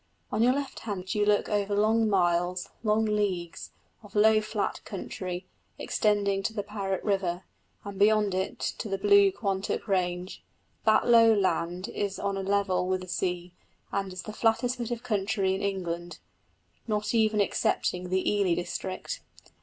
On your left hand you look over long miles, long leagues, of low flat country, extending to the Parret River, and beyond it to the blue Quantock range. That low land is on a level with the sea, and is the flattest bit of country in England, not even excepting the Ely district.